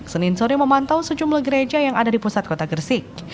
senin sore memantau sejumlah gereja yang ada di pusat kota gersik